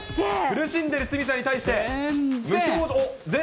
苦しんでる鷲見さんに対して。